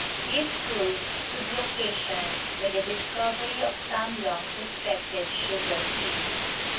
This proved to be occasioned by the discovery of some long suspected sugar thieves.